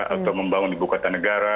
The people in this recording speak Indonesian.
atau membangun di bukatanegara